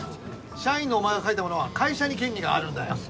社員のお前が書いたものは会社に権利があるんだよ。